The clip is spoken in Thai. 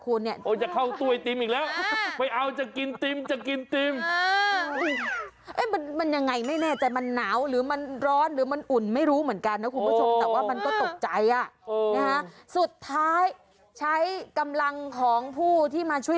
โอ้โฮมันมาแล้วมันเล้วยแล้ว